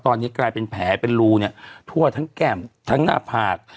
ตอนนี้กลายเป็นแผลเป็นรูเนี่ยทั่วทั้งแก้มทั้งหน้าผาก